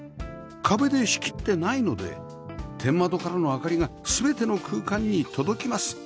壁で仕切ってないので天窓からの明かりが全ての空間に届きます